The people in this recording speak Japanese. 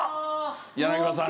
柳葉さん。